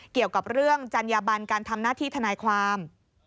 เกี่ยวกับเรื่องจัญญาบันการทำหน้าที่ทนายความ